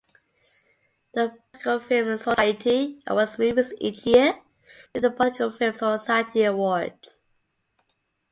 The Political Film Society awards movies each year with the Political Film Society Awards.